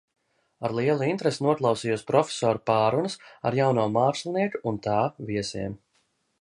Ar lielu interesi noklausījos profesora pārrunas ar jauno mākslinieku un tā viesiem.